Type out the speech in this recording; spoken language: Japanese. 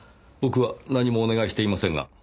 僕は何もお願いしていませんが。